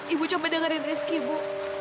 ibu sampai dengerin rizky bu